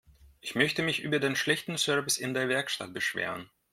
Ich möchte mich über den schlechten Service in der Werkstatt beschweren.